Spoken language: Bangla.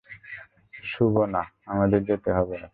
শোবানা, আমাদের যেতে হবে এখন।